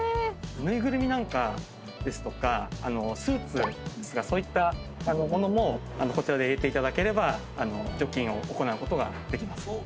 縫いぐるみなんかですとかスーツそういったものもこちらで入れていただければ除菌を行うことができます。